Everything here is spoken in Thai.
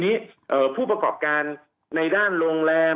ทางประกันสังคมก็จะสามารถเข้าไปช่วยจ่ายเงินสมทบให้๖๒